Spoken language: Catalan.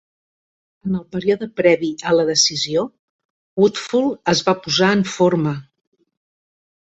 En el període previ a la decisió, Woodfull es va posar en forma.